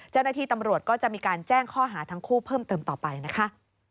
เจ้าหน้าที่ตำรวจก็จะมีการแจ้งข้อหาทั้งคู่เพิ่มเติมต่อไปนะคะ